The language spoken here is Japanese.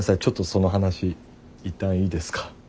ちょっとその話いったんいいですか？